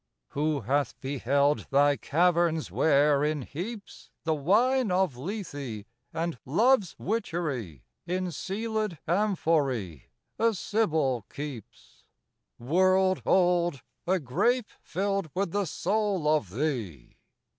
Who hath beheld thy caverns where, in heaps, The wine of Lethe and Love's witchery, In sealéd amphoræ a sibyl keeps? World old, a grape filled with the soul of thee.